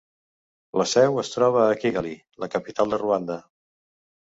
La seu es troba a Kigali, la capital de Ruanda.